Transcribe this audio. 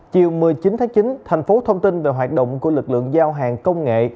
chiều một mươi chín tháng chín thành phố thông tin về hoạt động của lực lượng giao hàng công nghệ